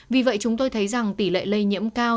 vì vậy chúng tôi thấy rằng tỷ lệ lây nhiễm cao